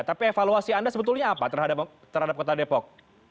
tapi evaluasi anda sebetulnya apa terhadap kota depok